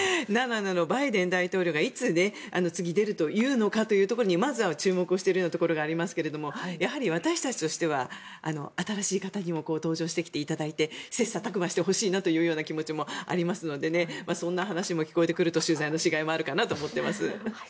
バイデン大統領がいつ次出るのかというところにまずは注目をしているようなところがありますがやはり、私たちとしては新しい方にも登場してきていただいて切磋琢磨してほしいという気持ちもありますのでそんな話も聞こえてくると取材のしがいもあるかなと思っています。